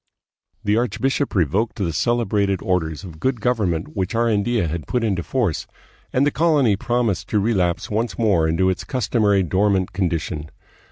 The archbishop revoked the celebrated 230 THE PHILIPPINES. orders of good government which Arandia had put into force, and the colony promised to relapse once more into its customary dormant condition.